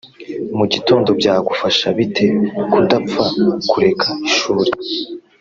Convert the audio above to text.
mu gito byagufasha bite kudapfa kureka ishuri